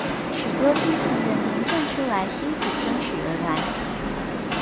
許多基層人民站出來辛苦爭取而來